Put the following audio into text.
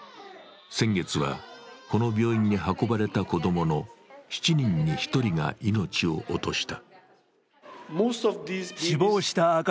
先月はこの病院に運ばれた子供の７人に１人が命を落とした。